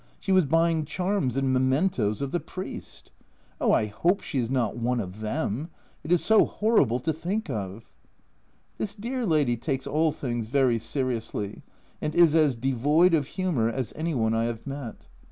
She was buying charms and mementoes of the priest ! Oh, I hope she is not one of them ! It is so horrible to think of " This dear lady takes all things very seriously, and is as devoid of humour as any one I have met.